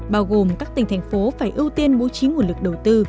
bao gồm các tỉnh thành phố phải ưu tiên bố trí nguồn lực đầu tư